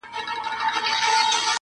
غلیم کور په کور حلوا وېشل پښتونه.